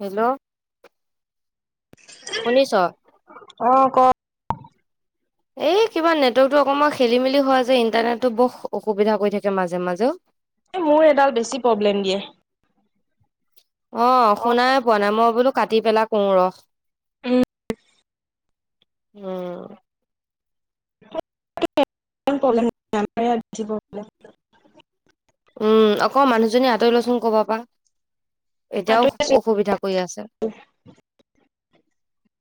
Hello শুনিছ? অঁ, ক। এই কিবা নেটৱৰ্কতটো অকমান খেলি মেলি হোৱা যে ইণ্টাৰনেটটো বহ ৰ অসুবিধা কৰি থাকে মাজে মাজেও এ মোৰ এডাল বেছি প্ৰব্লেম দিয়ে অঁ, শুনাই পোৱা নাই মই বোলো কাটি পেলাই কও ৰখ উম। উম। [inaudible] উম অক মানুহজনী আঁতৰি লচোন কবা পা এতিয়াও সাঁতুৰি অসুবিধা কৰি আছে।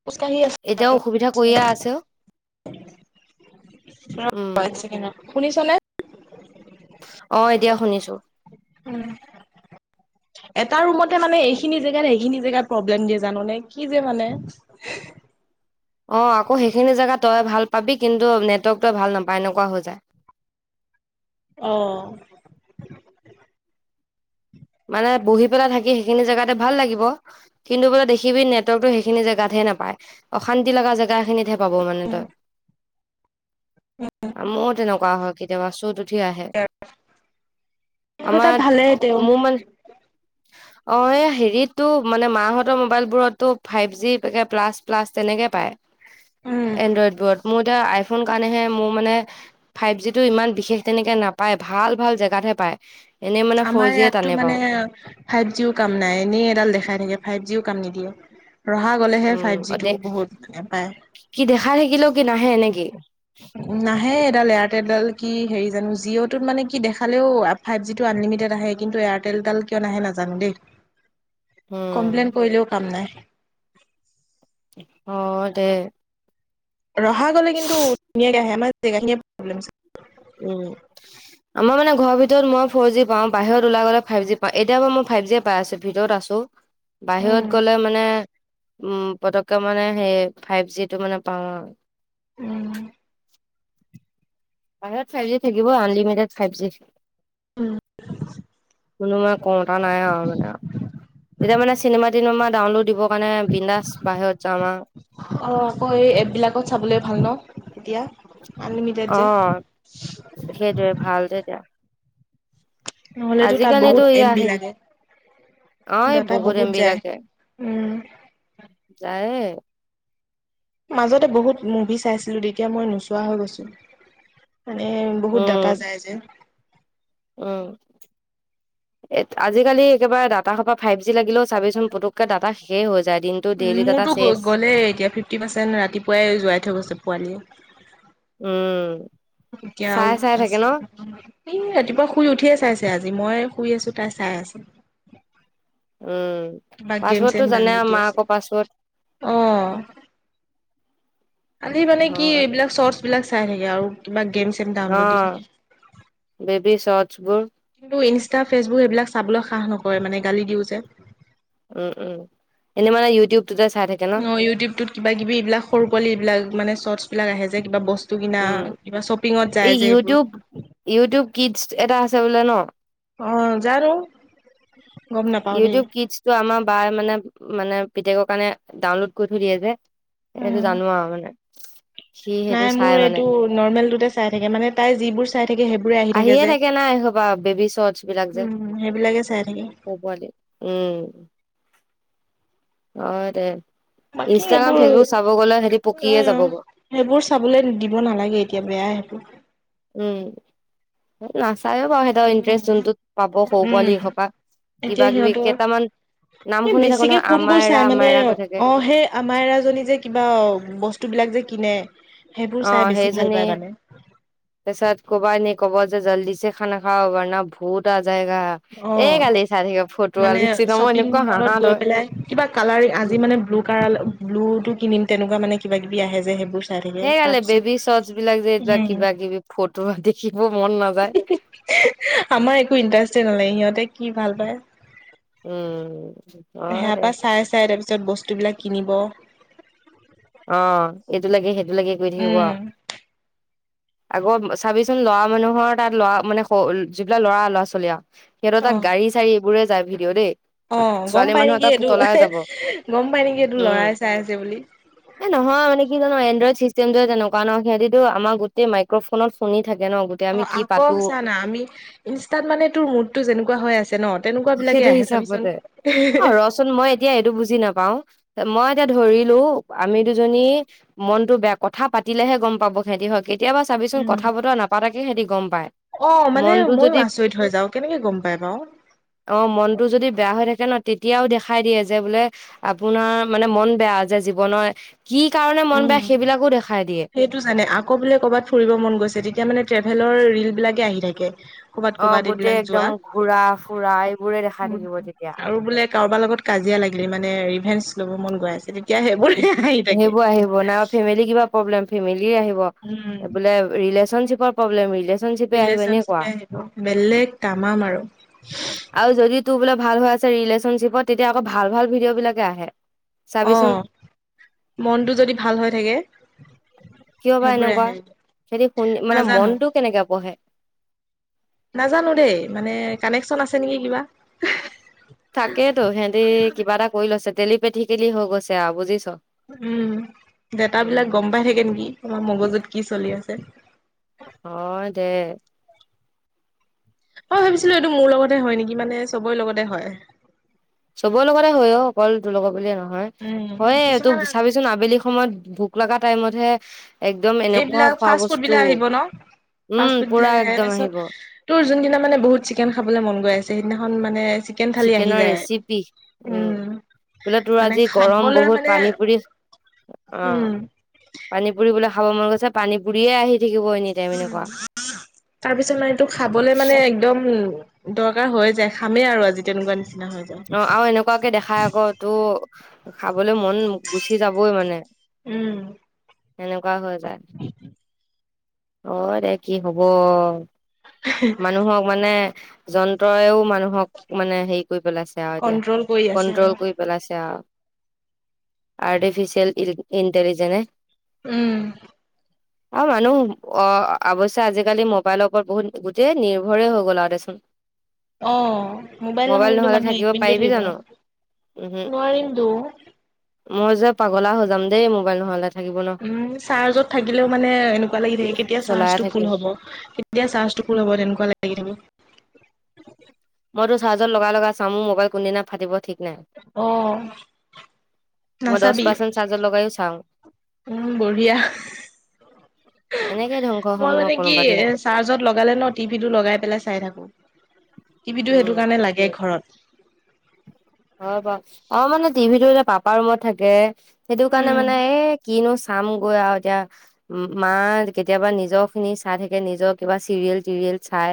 খোজকাঢ়ি আছো এতিয়াও অসুবিধা কৰিয়ে আছে অ। ৰ এক চেকেণ্ড উম ৰ [inaudible] শুনিছনে? অঁ এতিয়া শুনিছোঁ। উম [inaudible] এটা ৰুমতে মানে এইখিনি জেগাত, সেইখিনি জেগাত প্ৰব্লেম দিয়ে জাননে কি যে মানে। [inaudible] অঁ আকৌ সেইখিনি জেগা তই ভাল পাবি কিন্তু নেটৱৰ্ক তই ভাল নাপায় এনেকুৱা হৈ যায়। [inaudible] অঁ [unintelligible] মানে বহি পেলাই থাকি সেইখিনি জেগাতে ভাল লাগিব। [unintelligible] কিন্তু বোলে দেখিবি নটৱৰ্কটো সেইখিনি জেগাতহে নাপায়। [unintelligible] অশান্তি লগা জেগা এখিনিতহে পাব মানে তই। [inaudible] মোৰ তেনেকুৱা হয় কেতিয়াবা, চোত উঠি আহে। [inaudible] তোৰ তাত আমাৰ ভালেই তেওঁ মোৰ মানে [inaudible] অঁ এই হেৰিতটো মানে মাহঁতৰ মোবাইলবোৰতটো ফাইভ জি [unintelligible] প্লাছ-প্লাছ তেনেকে পায়। উম [unintelligible] এনড্ৰইডবোৰত মোৰ এতিয়া আইফোন কাৰণেহে মোৰ মানে ফাইভজিটো ইমান বিশেষ তেনেকে নাপায়। ভাল-ভাল জেগাত হে পায়। এনে [unintelligible] আমাৰ ইয়াততো মানে ফাইভজিও কাম নাই। এনেই এডাল দেখাই থাকে ফাইভজিও কাম নিদিয়ে। [unintelligible] ৰহা গলেহে উম দে ফাইভজিটো বহুত মানে পায়। [inaudible] কি দেখাই থাকিলেও কি নাহে নে কি? [unintelligible] নাহে এডাল এয়াৰটেলডাল কি হেৰি জানো। জিঅ'টোত মানে কি দেখালেও [unintelligible] ফাইভজিটো আনলিমিটেড আহে কিন্তু এয়াৰটেলডাল কিয় নাহে নাজানো দেই। [unintelligible] [unintelligible] উম। কমপ্লেইন কৰিলেও কাম নাই। [unintelligible] অঁ দে [unintelligible] ৰহা গ'লে কিন্তু ধুনীয়াকে আহে। আমাৰ জেগাখিনিয়ে প্ৰব্লেম চাগে [unintelligible] উম! [inaudible] আমাৰ মানে ঘৰ ভিতৰত মই ফৰজি পাওঁ, বাহিৰত ওলাই গ'লে ফাইভজি পাওঁ। এতিয়া বাৰু মই ফাইভজিয়ে পাই আছোঁ, ভিতৰত আছোঁ। [unintelligible] [unintelligible] ত উম বাহিৰত গলে মানে উম পতককে মানে সেই ফাইভজিটো মানে পাওঁ আওঁ। [unintelligible] উম! [inaudible] বাহিৰত ফাইভজি থাকিব‌ই, আনলিমিটেড ফাইভজি। [inaudible] [inaudible] কোনো মানে কওঁতা নাই আৰু মানে আও এতিয়া মানে [unintelligible] চিনেমা-টিনেমা ডাউনলোড দিবৰ কাৰণে বিনডাছ বাহিৰত যাম আও [unintelligible] অ আকৌ এই এপবিলাকত চাবলৈ ভাল ন এতিয়া। [unintelligible] আনলিমিটেড যে অঁ! সেইটোৱেই ভাল যে এতিয়া। [inaudible] নহ'লেতো তাত বহুত আজিকালিতো এম ইয়াৰ বি হেৰি লাগে [unintelligible] অঁ এই ডাটা বহুত এমবি যায় লাগে, উম যায়েই [unintelligible] মাজতে বহুত মুভি চাইছিলো, এতিয়া মই নোচোৱা হৈ গৈছিলোঁ। [unintelligible] মানে বহুত ডাটা উম যায় যে। [unintelligible] উম! [unintelligible] এ আজিকালি একেবাৰে দাটা সোপা ফাইভজি লাগিলেও চাবি চোন পুতুকে ডাটা শেষ হৈ যায় দিন [unintelligible] মোৰতো গ'লেই এতিয়া ফিফটি পাৰ্চেন্ট ৰাতিপুৱাই যোৱাই থৈ গৈছে পোৱালীয়ে। [unintelligible] উম! এতিয়া চাই আৰু চাই থাকে ন আছে [unintelligible] এই ৰাতিপুৱা শুই উঠিয়ে চাইছে আজি, মই শুই আছো তাই চাই আছিল। [inaudible] উম [unintelligible] কিবা পাছৱৰ্ডটো গেমছ-চেম জানে ডাউনলোড আৰু দি আছে। মাকৰ পাছৱৰ্ড [inaudible] অঁ! খালি মানে কি অ এইবিলাক শৰ্টছবিলাক চাই থাকে আৰু কিবা গেমছ-চেম [unintelligible] অ' বেবি চৰ্টচবোৰ তোৰ ইনষ্টা, ফেচবুক এইবিলাক চাবলৈ সাহ নকৰে মানে। গালি দিও যে। উম। উম। এনে মানে ইউটিউবটোতে চাই থাকে। ন অ' ইউটিউবতটোত কিবা- কিবি, এইবিলাক সৰু পোৱালি এইবিলাক মানে চৰ্টছ বিলাক আহে যে কিবা বস্তু বস্তু কিনা উম কিবা' শ্বপিঙত এই যায় যে এইবোৰ। ইউটিউব ইউটিউব কিডছ্ এটা আছে বোলে ন? অ জানো! গম নাপাও দেই ইউটিউব কিটছটো আমাৰ বায়ে মানে -মানে পিতেকৰ কাৰণে ডাউনলোড কৰি থৈ দিয়ে যে সেইটো উম। জানো আৰু মানে সি সেইটো নাই চাই মোৰ মানে এইটো নৰ্মেলটোতে চাই থাকে। মানে তাই যিবোৰ চাই থাকে, সেইবোৰে আহি আহিয়ে থাকে যে। নাই এইসোপা বেবী উম। সেইবিলাকে চাই থাকে। সও পোৱালি। উম। হয় দে। বাকী ইনষ্টাগ্ৰাম, এইবোৰ ফেচবুক চাব গ'লে সিহঁতি অ পকিয়ে যাবগৈ। সেইবোৰ চাবলৈ দিব নালাগে, এতিয়া। বেয়াই সেইবোৰ উম। নাচায়ো বাৰু। সিহঁতৰ ইণ্টাৰেষ্ট যোনটোত পাব, সৰু উম পোৱালি এইখপা এতিয়া সিহঁতৰ, শুনি থাকো বেছিকে নহয় কোনবোৰ আমাইৰা চাই মানে। আমাইৰা কৈ থাকে অ' সেই আমাৰৰাজনী যে কিবা, বস্তুবিলাক যে কিনে সেইবোৰ চাই বেছি ভাল পায় মানে। তাহছত কবানি ক'ব যে জল্দিছে খানা খাও, বৰনা ভূত আজায়েগা। অ' মানে মই শ্বপিং এনেকুৱা মলত হাঁহা গৈ ধৰে পেলাই, কিবা কালাৰ আজি মানে ব্লু কাৰল, ব্লুটো কিনিম। তেনেকুৱা মানে কিবা- কিবি আহে যে। সেইবোৰ চাই থাকে সেইগালে তাৰপিছত বেবী চৰ্টছবিলাক যে এইবিলাক, উম কিবা-কিবি ফটো দেখিব মন নাযায়। আমাৰ একো ইণ্টাৰেষ্টে নালাগে। সিহঁতে কি ভাল পায়! উম। হয় দে। চায়। তাৰপিছত বস্তুবিলাক কিনিব। অ'হ। এইটো লাগে। সেইটো লাগে। কৰি থাকিব আও। উম আকৌ চাবিচোন, লৰা মানুহৰ তাত লৰা মানে যিবিলাক লৰা- ল'ৰা- ছোৱালী আৰু সিহঁতৰ তাত গাড়ী- চাড়ী এইবোৰে যায় ভিডিও দেই। অহ। গম ছোৱালী পাই মানুহৰ নেকি, তাত এইটো পুতলাই যাব গম পাই নেকি এইটো উম লৰাই চাই আছে বুলি। এ নহয়, মানে কি জান! এণ্ড্ৰইডৰ চিষ্টেমটোৱে তেনেকুৱা ন। সিহঁতিতো আমাৰ গোটে মাইক্ৰ'ফোনত শুনি থাকে ন। গো অ' আকৌ চা-না- আমি ইনষ্টাত মানে তোৰ মুডটো যেনেকুৱা হৈ আছে ন তেনেকুৱাবিলাকে আহে চাবিচোন। চোন, মই এতিয়া এইটো বুজি নাপাও, মই এতিয়া ধৰিলো আমি দুজনী মনটো বেয়া। কথা পাতিলেহে গম পাব, সিহঁতি হয়। কেতিয়াবা চাবিচোন কথা -বতৰা নাপাতাকে সিহঁতি গম পায়। অ' মানে মনটো মইয়ো যদি আচৰিত হৈ যাওঁ। কেনেকে গম পাই বাও। অ' মনটো যদি বেয়া হৈ থাকে ন, তেতিয়াও দেখাই দিয়ে যে বোলে আপোনাৰ মানে মন বেয়া, যে জীৱনৰ। কি কাৰণে মন বেয়া সেইবিলাকো দেখাই দিয়ে। তোৰ জানে। আকৌ বোলে ক'বাত ফুৰিব মন গৈছে, তেতিয়া মানে ট্ৰেভেলৰ ৰিল বিলাকে আহি থাকে। ক'বাত অ ক'বাত গোটেই এইবিলাক একদম যোৱা। ঘুৰা ফুৰা এইবোৰে দেখাই উম। থাকিব তেতিয়া আৰু বোলে কাৰোবাৰ লগত কাজিয়া লাগিলি, মানে ৰিভেঞ্চ ল'ব মন গৈ আছে, তেতিয়া সেইবোৰে আহি থাকে। সেইবোৰ [unintelligible] ফেমিলি কিবা প্ৰব্লেম, ফেমিলিৰ আহিব। উম। বোলে, ৰিলেশ্ব্যনশ্বিপৰ প্ৰব্লেম, ৰিলেশ্ব্যনশ্বিপ ৰিলেশ্ব্যনশ্বিপে আহিব। বেল্লেগ। তাম্মাম আৰু। আৰু যদি তোৰ বোলে ভাল হৈ আছে ৰিলেশ্যনশ্বিপত, তেতিয়া আকৌ ভাল- ভাল ভিডিঅ'বিলাকে আহে। অ'হ। চাবিচোন মনটো যদি ভাল হৈ থাকে। কিয় বা সেইবোৰে এনেকুৱা! আহে সিহঁতি শুনি, মানে নাজানো মনটো কেনেকে পঢ়ে? নাজানো দেই, মানে কানেকচন আছে নেকি কিবা। তাকেইটো সিহঁতি কিবা এটা কৰি লৈছে দেলি-পেঠি-কেলি হৈ গৈছে আৰু বুজিছ। উম, ডাতা বিলাক উম গম পাই থাকে নেকি, সি- মগজুত কি চলি আছে। হয় দে, অ, ভাবিছিলো এইটো মোৰ লগতে হয় নেকি মানে চ'বৰে লগতে হয়। চ'বৰে লগতে হয় অ, অকল তোৰ লগত বুলিয়ে নহয়, উম হয় তোৰ কিছুমান চাবিচোন আবেলি সময়ত ভোক লগা টাইমতহে একদম এনেকুৱা এইবিলাক খোৱা ফাষ্ট ফুড বস্তু বিলাক আহিব ন উম, ফাষ্ট ফুড পুৰা বিলাক আহে একদম তাৰপিছত আহিব। তোৰ যোনদিনা মানে বহুত চিকেন খাবলৈ মন গৈ আছে সেইদিনাখন মানে চিকেন থালি আহি চিকেনৰ যায়। ৰেচিপি উম, বোলে তোৰ মানে আজি গৰম খাবলৈ বহুত মানে, পানী পুৰি উম, পানী-পুৰি বোলে, খাব মন গৈছে পানী পুৰিয়ে আহি থাকিব এনি টাইম এনেকুৱা তাৰপিছত মান এইটো খাবলে মানে একদম দৰকাৰ হৈ যায়, খামেই আৰু আজি তেনেকুৱা নিচিনা হৈ যায়। অ, আৰু এনেকুৱাকে দেখাই আকৌ, তো, খাবলৈ মন গুচি যাবই মানে। উম, সেনেকুৱা হৈ যায়, হয় দে কি হ'ব। মানুহক মানে, যন্ত্ৰইও মানুহক মানে হেৰি কৰি পেলাইছে। এ, আৰু কন্ট্ৰল কৰি আছে আৰু কন্ট্ৰল কৰি পেলাইছে আৰু, আৰ্টিফিচিয়েল ইণ্টেলিজেণ্টয়ে। উম, অ, মানুহ অ, অৱশ্যে আজিকালি মোবাইলৰ ওপৰত বহুত গোটেই নিৰ্ভৰে হৈ গ'ল আৰু দে, চোন। অ, মোবাইল নহ'লেতো নহ'লে মানুহে এক মিনিটতও পাৰিবি থাকিব ন, জানো? উমহু, নোৱাৰিমতো। মই যে পাগলা হৈ যাম দেই, মোবাইল নহ'লে। থাকিব ন উম, চাৰ্জত থাকিলেও মানে এনেকুৱা লাগি থাকে, কেতিয়া চলায়ে চাৰ্জটো ফুল থাকিম। হ'ব। এতিয়া চাৰ্জটো হ'ব, তেনেকুৱা লাগি থাকে। মইতো চাৰ্জ লগাই চাওঁ, মোৰ মোবাইল কোন দিনা ফাটিব ঠিক নাই। অ, মই দহ নাচাবি। পাৰ্চেণ্ট চাৰ্জত লগাইও চাওঁ, উম, বঢ়িয়া। এনেকেই ধ্বংস মই হ'ম মানে কি কোনোবা দিনা। এ চাৰ্জত লগালে ন, টিভিটো লগাই পেলাই চাই থাকোঁ, টিভিটো উম। সেইটো কাৰণে লাগে ঘৰত। অ, হ'ব অ, মানে টিভিটো পাপা ৰুমত থাকে, সেইটো কাৰণে উম মানে এই কিনো চা মই, গৈ আৰু এতিয়া। মা, কেতিয়াবা নিজৰ খিনি চাই থাকে নিজৰ কিবা চিৰিয়েল-তিৰিয়েল। চাই,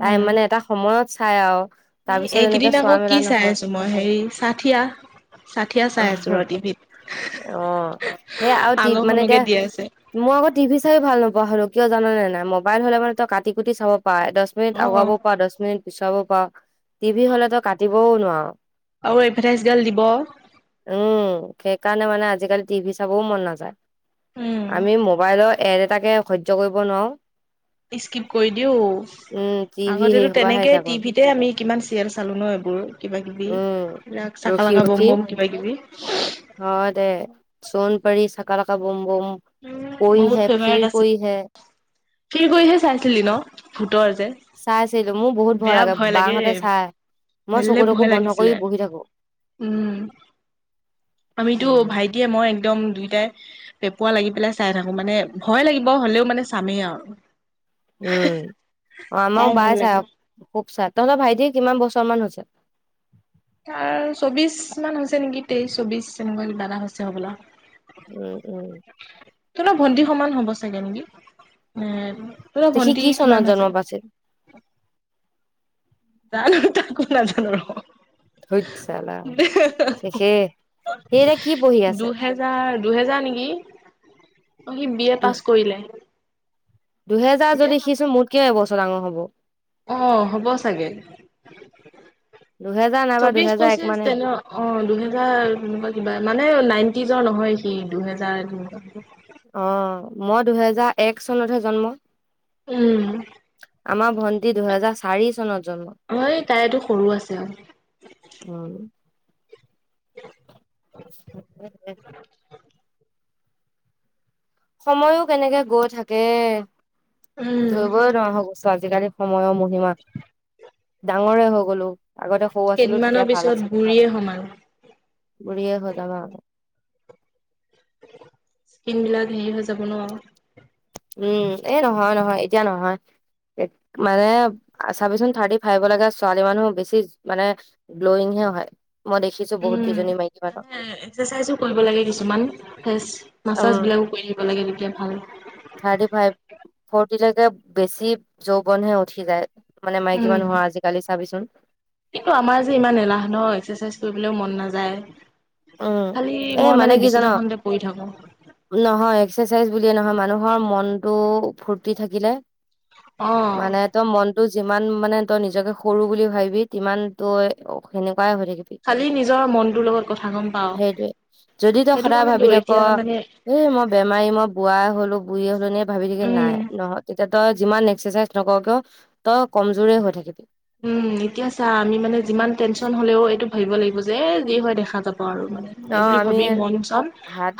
তাই মানে এটা সময়ত চাই আৰু। তাৰ পিছত এনেকে এইকেইদিন আকৌ চোৱা মেলা কি চাই নহয় আছো মই, হেৰি চাথিয়া। অ, অ, সেই আ, মানে আগৰখনকে এতিয়া দি আছে। মই আকৌ টিভি চাই ভাল নপোৱা হ'লো, কিয় জান নে নাই মোবাইল হ'লো ন, কাটি-কোটি চাব পাৰ দ মিনিট অ আগুৱাব পাৰা দহ, মিনিট পিছুৱাব পাৰ টিভি হ'লে ত, কাটিবও নোৱাৰো। আৰু এডভাৰটাইজ গাল দিব। উম, সেইকাৰণে মানে আজিকালি টিভি চাবও মন নাযায় উম আমি মোবাইলত এদ এটাকে সজয় কৰিব নোৱাৰো। স্কিপ কৰি দিও, উম টিভি সেই আগতেটো সোপাহে তেনেকেই এতিয়া কৰো টিভিত এতিয়া আমি কিমান চিৰিয়েল চালোঁ ন, এইবোৰ কিবা-কিবি উম এইবিলাক চাকা-লাকা ব'ম ব'ম কিবাকিবি। অঁ, দে চোন পাৰি, চকা -লকা বম বম বহুত কইহে ফেভাৰেট ফিৰ আছিল। কইহে। ফিৰ কইহে চাইছিলি ন ভূতৰ যে। চাইছিলো মোৰ বহুত ভয় লাগে। বাহতে চাই মই বেলেগ চকুতকো ভয় বন্ধ লাগিছিলে। কৰি বহি থাকো। উম। আমিতো উম ভাইটিয়ে মই একদম দুইটাই পেঁপোৱা লাগি পেলাই চাই থাকো মানে ভয় লাগিব হলেও মানে চামেই আও। উম অ' আমাও ভাল বাই চাই, লাগে। খুব চাই তহঁতৰ ভাইটি কিমান বছৰ মান হৈছে? তাৰ চৌবিশ মান হৈছে নেকি। তেইশ চৌবিশ এনেকুৱা কিবা এটা হৈছে হ'বলা? উম উম। তোমালোক ভন্টি সমান হব চাগে নেকি এ তোমালৰ সি ভন্টি কি চনত কিমান জন্ম হৈছে? পাইছিল জানো তাকো নাজান আৰু। ধোইত চালা, শেষে সি এতিয়া কি পঢ়ি আছে? জাৰ দুহেজাৰ নেকি, অঁ সি বি এ দু পাছ কৰিলে। দুহেজাৰ এতিয়া যদি সিচোন মোতকে এবছৰ ডাঙৰ হ'ব আহ অ হ'ব চাগে? দুহেজাৰ নাইবা চবিশ- দুহেজাৰ এক পঁচিশ, মানে হ'ব। তেনত? অ, দুহেজাৰ তেনেকুৱা কিবা মানে নাইনটিজৰ নহয় সি দুহেজাৰ তেনেকুৱা কিবা। অ মই দুহেজাৰ এক চনতহে জন্ম। উম। আমা ভন্টি দুহেজাৰ চাৰি চনত জন্ম। হয় তাইটো সৰু আছে আৰু। উম। উ [unintelligible] [unintelligible] উম [inaudible] সময়ো কেনেকে গৈ থাকে, উম ধৰিবই নোৱাৰা হৈ গৈছোঁ আজিকালি সময়ো ম হিমা ডাঙৰে হৈ গলোঁ। আগতে সৰু আছিলো তেতিয়া কেইদিনমানৰ ভাল পিছত আছিলো। বুঢ়ীয়ে হ'ম আৰু বুঢ়ীয়ে হৈছো ন। স্কিন বিলাক হেৰি হৈ যাব ন? উম এ নহয়, নহয় এতিয়া নহয়। মানে অ চাবিচোন থাৰ্টি ফাইভলেকে ছোৱালী মানুহ বেছি মানে গ্লয়িংহে হয় মই দেখি উম হে এক্সাৰচাইজো কৰিব লাগে কিছুমান ফেচ উম, মাছাজ বিলাকো কৰি থাকি বেলেগে তেতিয়া ভাল। থাৰ্টি ফাইভ, ফৰটিলৈকে বেছি যৌৱনহে উঠি যায়। মানে মাইকী উম মানুহৰ আজিকালি চাবিচোন। কিন্তু আমাৰ যে ইমান এলাহ নহয় এক্সাৰচাইজ কৰিবলৈও মন নাযায়। উম খালি এ মই মানে, কি জান বিচনাখনতে পৰি থাকোঁ। নহয় এক্সাৰচাইজ বুলিয়ে নহয়, মানুহৰ মনটো ফুৰ্তি থাকিলে অ মানে তই মনতটো যিমান মানে তই নিজকে সৰু বুলি ভাবিবি সিমান তই সেনেকুৱাই হৈ থাকিবি। খালি নিজৰ মনটোৰ লগত কথা ক। সেইটোয়ে, যদি তই সদায় ভাবি থাক এতিয়া মানে এই মই বেমাৰী, মই বুঢ়াই হলো বুঢ়ীয়ে হলো এনে ভাবি থাকে উম নাই নহয় তেতিয়া তই যিমান এক্সাৰচাইজ নকৰ কিয় তই কমজোৰে হৈ থাকিবি। উম এতিয়া চা আমি মানে যিমান টেনশচন হলেও এইটো ভাবিব লাগিব যে যি হয় দেখা যাব আৰু মানে। অ' এইবুলি আমি ভাবি মন চন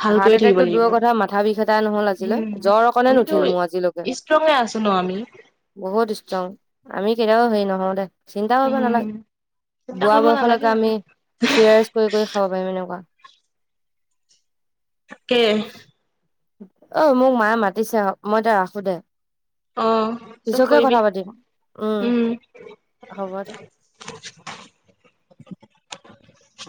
ভাল কৰি হাৰ্ট এটেক থাকিব টো লাগিব দূৰ কথা মাথা বিষ এতা নহল আ উম জ্বৰ অকণে আমিতো নুঠিল মোৰ আজিলৈকে। ষ্ট্ৰঙে আছো ন আমি বহুত ষ্ট্ৰং আমি কেতিয়াও হেৰি নহওঁ দে। চিন্তা কৰিব উম নালাগে চিন্তা বুঢ়া কৰিব বয়সলৈকে নালাগে আমি বাৰু চিৰাৰছ কৰি কৰি খাব পাৰিম এনেকুৱা। তাকে। অ মোক মায়ে মাতিছে মই এতিয়া ৰাখোঁ দে। অ চব পিছতকে কৰিবি কথা পাতিম উম হ'ব দে।